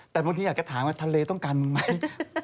แต่พวกนี้อาจจะถามว่าทะเลต้องการมึงไหม